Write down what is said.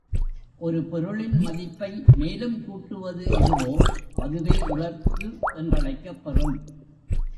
ஒரு பொருளின் மதிப்பை மேலும் கூட்டுவது எதுவோ, அதுவே உழைப்பு என்றழைக்கப்பெறும்.